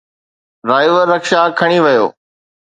driver rickshaw کڻي ويو